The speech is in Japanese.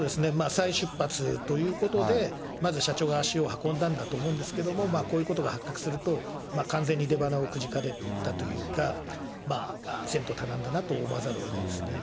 再出発ということで、まず社長が足を運んだんだと思うんですけれども、こういうことが発覚すると、完全に出ばなをくじかれたというか、前途多難だなと思わざるをえないですね。